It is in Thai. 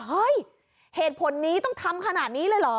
เฮ้ยเหตุผลนี้ต้องทำขนาดนี้เลยเหรอ